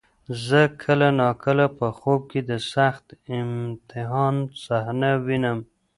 زه کله ناکله په خوب کې د سخت امتحان صحنه وینم.